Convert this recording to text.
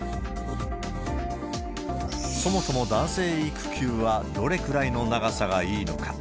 そもそも男性育休はどれくらいの長さがいいのか。